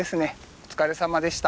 お疲れさまでした。